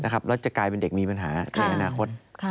แล้วจะกลายเป็นเด็กมีปัญหาในอนาคต